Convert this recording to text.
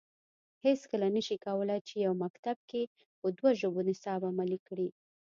هیڅکله نه شي کولای چې یو مکتب کې په دوه ژبو نصاب عملي کړي